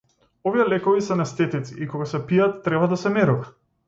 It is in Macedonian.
Овие лекови се анестетици и кога се пијат треба да се мирува.